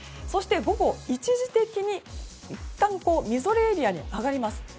そして午後、一時的にいったんみぞれエリアに上がります。